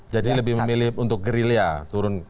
jadi lebih memilih untuk gerilya turun begitu ya